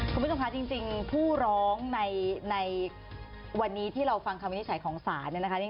คุณผู้ชมครับจริงผู้ร้องในวันนี้ที่เราฟังความวินิจฉัยของศาสนิ์